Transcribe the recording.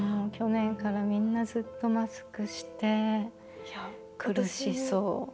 去年からみんなずっとマスクして苦しそう。